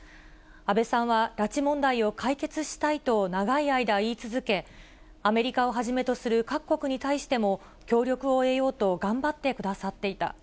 安倍さんは、拉致問題を解決したいと長い間言い続け、アメリカをはじめとする各国に対しても、協力を得ようと頑張ってくださっていた。